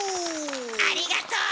ありがとう！